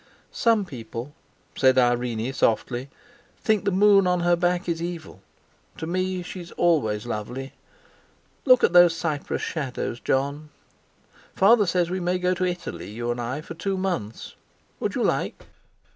"Some people," said Irene softly, "think the moon on her back is evil; to me she's always lovely. Look at those cypress shadows! Jon, Father says we may go to Italy, you and I, for two months. Would you like?"